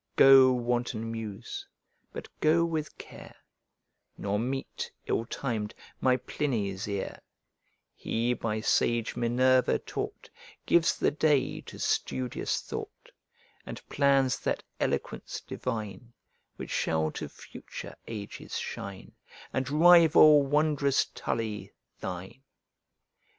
"Go, wanton muse, but go with care, Nor meet, ill tim'd, my Pliny's ear; He, by sage Minerva taught, Gives the day to studious thought, And plans that eloquence divine, Which shall to future ages shine, And rival, wondrous Tully! thine.